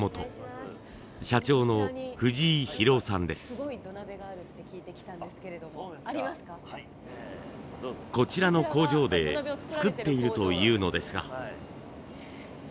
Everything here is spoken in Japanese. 社長のこちらの工場で作っているというのですが。